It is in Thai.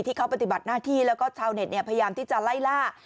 ที่เขาปฏิบัติหน้าที่แล้วก็ชาวเน็ตพยายามที่จะไล่ล่า